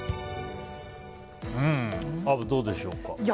アブ、どうでしょうか。